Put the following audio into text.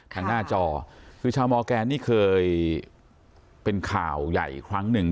ทางหน้าจอคือชาวมอร์แกนนี่เคยเป็นข่าวใหญ่ครั้งหนึ่ง